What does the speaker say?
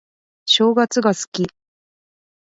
正月が好き